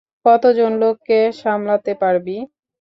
কতজন লোককে সামলাতে পারবি?